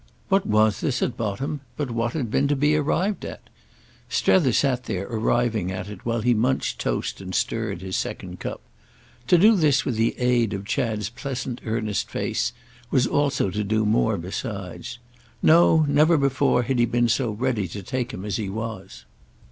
What was this at bottom but what had been to be arrived at? Strether sat there arriving at it while he munched toast and stirred his second cup. To do this with the aid of Chad's pleasant earnest face was also to do more besides. No, never before had he been so ready to take him as he was.